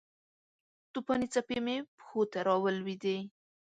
توپانې څپې مې پښو ته راولویدې